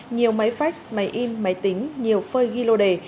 nhiều máy phách máy in máy tính nhiều phơi ghi lô đề